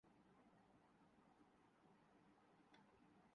Pakistan kabaddi super لیگافتتاحی match میں گوادر نے گجرات کو چت کردیا